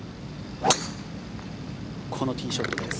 このティーショットです。